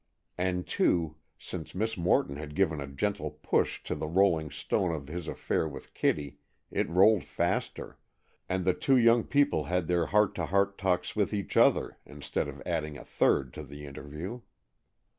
And, too, since Miss Morton had given a gentle push to the rolling stone of his affair with Kitty, it rolled faster, and the two young people had their heart to heart talks with each other, instead of adding a third to the interview.